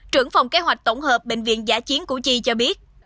trưởng phòng kế hoạch tổng hợp bệnh viện giả chiến củ chi cho biết